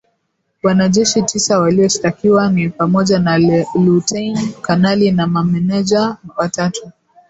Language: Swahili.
Wanajeshi tisa walioshtakiwa ni pamoja na lutein kanali na mameneja watatu